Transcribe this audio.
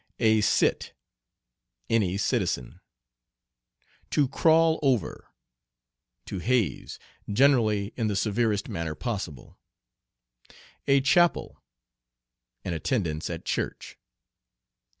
"A cit." Any citizen. "To crawl over." To haze, generally in the severest manner possible. "A chapel." An attendance at church.